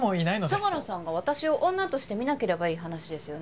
相良さんが私を女として見なければいい話ですよね。